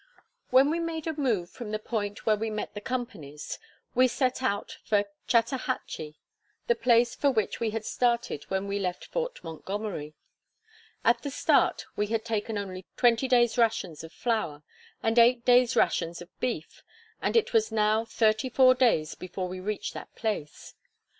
When we made a move from the point where we met the companies, we set out for Chatahachy, the place for which we had started when we left Fort Montgomery. At the start we had taken only twenty days' rations of flour, and eight days' rations of beef; and it was now thirty four days before we reached that place.